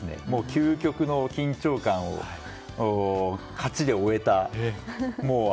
究極の緊張感を勝ちで終えた。